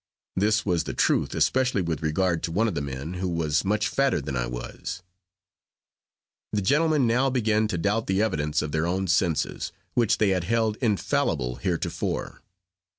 This was the truth, especially with regard to one of the men, who was much fatter than I was. The gentlemen now began to doubt the evidence of their own senses, which they had held infallible heretofore.